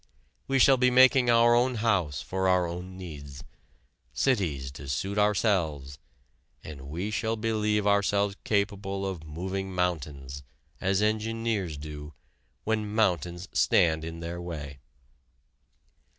We shall be making our own house for our own needs, cities to suit ourselves, and we shall believe ourselves capable of moving mountains, as engineers do, when mountains stand in their way.